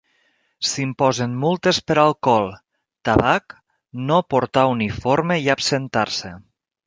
S'imposen multes per alcohol, tabac, no portar uniforme i absentar-se.